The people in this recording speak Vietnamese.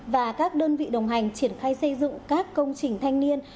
và các đơn vị đồng hành triển khai xây dựng các công trình thanh niên